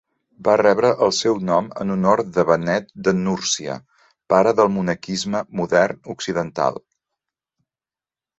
Va rebre el seu nom en honor de Benet de Núrsia, pare del monaquisme modern occidental.